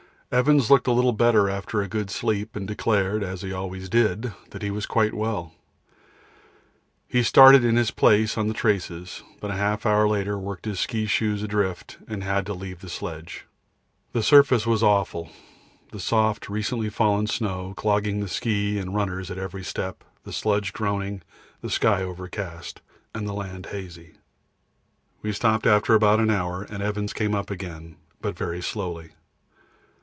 Evans looked a little better after a good sleep, and declared, as he always did, that he was quite well. He started in his place on the traces, but half an hour later worked his ski shoes adrift, and had to leave the sledge. The surface was awful, the soft recently fallen snow clogging the ski and runners at every step, the sledge groaning, the sky overcast, and the land hazy. We stopped after about one hour, and Evans came up again, but very slowly.